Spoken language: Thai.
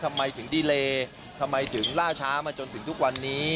ทำไมถึงดีเลทำไมถึงล่าช้ามาจนถึงทุกวันนี้